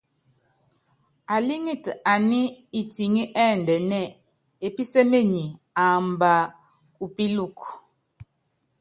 Alíŋitɛ aní itiŋí ɛ́ndɛnɛ́ɛ, epísémenyi, aamba kupíluku.